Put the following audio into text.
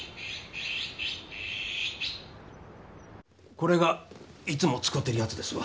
これがいつも使てるやつですわ。